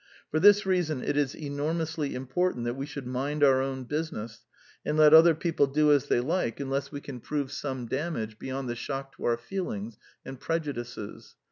For this reason it is enormously important that we should ^^ mind our own business " and let other peoplq do as they like unless we can prove The Lesson of the Plays 191 some damage beyond the shock to our feelings and prejudices.